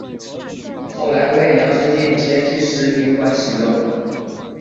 后来为粮食店街第十旅馆使用。